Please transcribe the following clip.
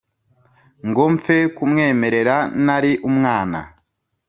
ngo mfe kumwemerera nari umwana